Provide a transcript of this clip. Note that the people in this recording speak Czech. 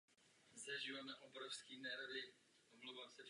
Následovalo dalších šest let čekání.